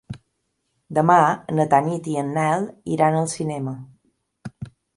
Demà na Tanit i en Nel iran al cinema.